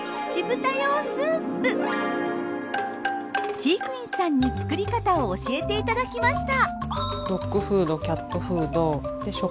飼育員さんに作り方を教えていただきました。